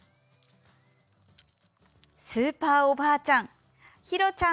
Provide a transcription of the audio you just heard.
「スーパーおばあちゃん」